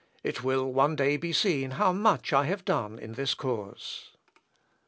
It will one day be seen how much I have done in this cause."